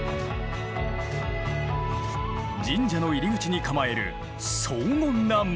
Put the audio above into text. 神社の入り口に構える荘厳な門。